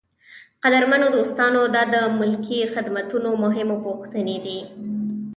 قدرمنو دوستانو دا د ملکي خدمتونو مهمې پوښتنې دي.